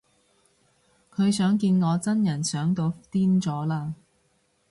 佢想見我真人想到癲咗喇